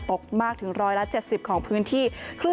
ตกมากถึงร้อยละ๗๐ของพื้นที่